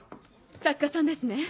作家さんですね？